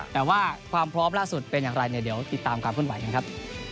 แต่ว่าความพร้อมล่าสุดเป็นอย่างไรเนี่ยเดี๋ยวติดตามความขึ้นไหวกันครับ